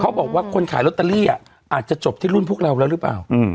เขาบอกว่าคนขายอ่าอาจจะจบที่รุ่นพวกเราแล้วหรือเปล่าอืม